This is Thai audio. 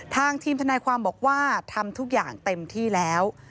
ทางทีมทนายความบอกว่าทำทุกอย่างเต็มที่แล้ว